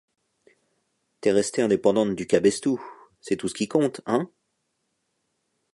T’es restée indépendante du cabestou, c’est tout ce qui compte, hein.